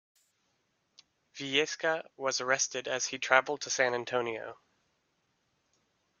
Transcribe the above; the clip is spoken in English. Viesca was arrested as he traveled to San Antonio.